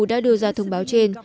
đã đưa ra thông báo trên